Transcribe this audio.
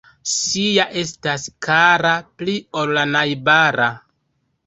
Sia estas kara pli ol la najbara.